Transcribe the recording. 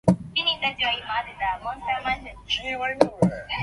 The mil reticle serves two purposes, range estimation and trajectory correction.